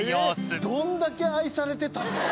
どんだけ愛されてたん？